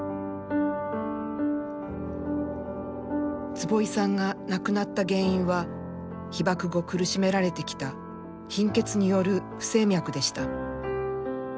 坪井さんが亡くなった原因は、被爆後苦しめられてきた貧血による不整脈でした。